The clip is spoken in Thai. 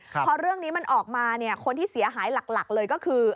พอเรื่องนี้มันออกมาเนี่ยคนที่เสียหายหลักเลยก็คือ